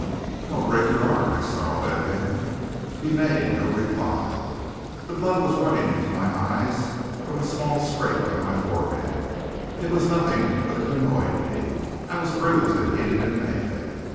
"I'll break your arm!" I snarled at him. He made no reply. The blood was running into my eyes from a small scrape on my forehead. It was nothing, but it annoyed me. I was bruised and heated and mad.